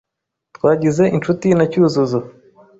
Twagize inshuti na Cyuzuzo.